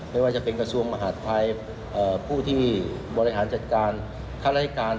ไม่ว่าจะเป็นกระทรวงมหาดไทยผู้ที่บริหารจัดการข้าราชการ